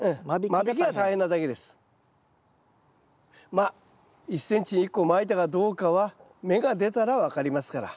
まあ１ｃｍに１個まいたかどうかは芽が出たら分かりますから。